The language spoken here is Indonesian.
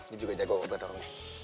dia juga jago obat orongnya